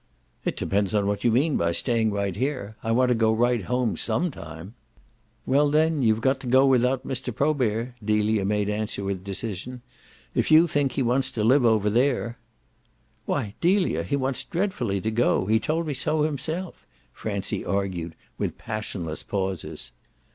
"It depends on what you mean by staying right here. I want to go right home SOME time." "Well then you've got to go without Mr. Probert," Delia made answer with decision. "If you think he wants to live over there " "Why Delia, he wants dreadfully to go he told me so himself," Francie argued with passionless pauses.